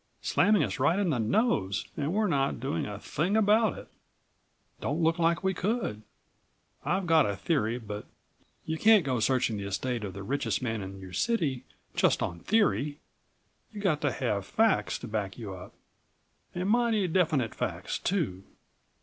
Slamming us right in the nose and we're not doing a thing about it. Don't look like we could. I've got a theory but you can't go searching the estate of the richest man in your city just on theory; you've got to have49 facts to back you up, and mighty definite facts, too."